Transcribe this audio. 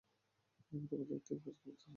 আমি তোমাদেরকে তিন কাজ করতে নিষেধ করছি।